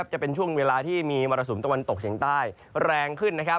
จะเป็นช่วงเวลาที่มีมรสุมตะวันตกเฉียงใต้แรงขึ้น